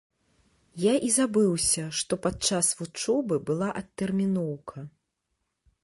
Я і забыўся, што падчас вучобы была адтэрміноўка.